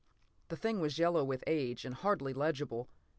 The thing was yellow with age and hardly legible.